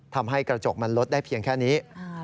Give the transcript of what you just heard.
ทำให้กระจกมันลดได้เพียงแค่นี้